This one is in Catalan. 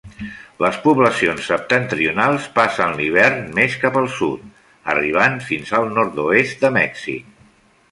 Les poblacions septentrionals passen l'hivern més cap al sud, arribant fins al nord-oest de Mèxic.